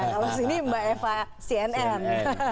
kalau sini mbak eva cnn